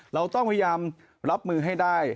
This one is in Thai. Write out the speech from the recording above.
เราต้องพยายามรับมือให้ได้